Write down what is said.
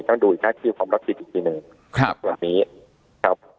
ต้องดูอีกหน้าที่ความลับสิทธิ์อีกทีหนึ่งครับวันนี้ครับ